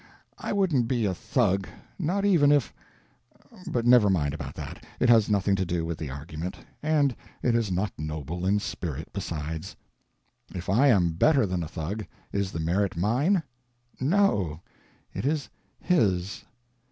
I wouldn't be a thug, not even if—but never mind about that, it has nothing to do with the argument, and it is not noble in spirit besides. If I am better than a thug, is the merit mine? No, it is His.